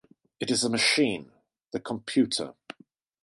It is a machine: the computer.